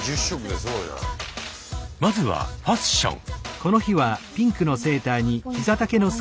まずはファッション。